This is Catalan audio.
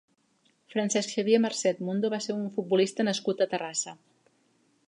Francesc Xavier Marcet Mundo va ser un futbolista nascut a Terrassa.